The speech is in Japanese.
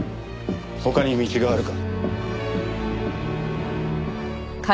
他に道があるか？